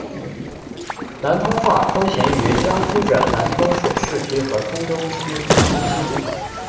南通话通行于江苏省南通市市区和通州区中西部。